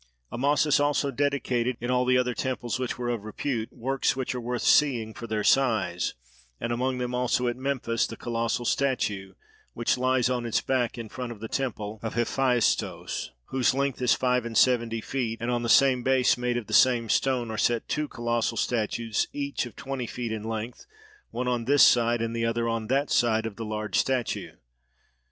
Amasis also dedicated in all the other temples which were of repute, works which are worth seeing for their size, and among them also at Memphis the colossal statue which lies on its back in front of the temple of Hephaistos, whose length is five and seventy feet; and on the same base made of the same stone are set two colossal statues, each of twenty feet in length, one on this side and the other on that side of the large statue.